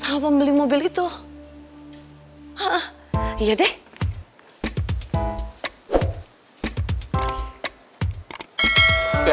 makanya kan udah pilgrim siapa pun yang mulia di sini ya buat facebook ya motor